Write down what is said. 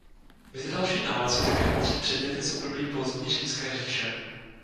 Mezi další nálezy také patří předměty z období pozdní římské říše.